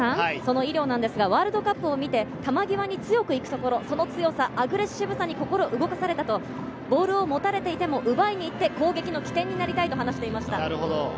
井料なんですが、ワールドカップを見て、球際に強く行くところ、その強さ、アグレッシブさに心動かされたと、ボールを持たれていても、奪いに行って攻撃の起点になりたいと話していました。